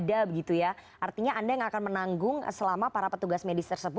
saya sudah meaningful untuk melakukan tindakan bagi transportasi mini g emergency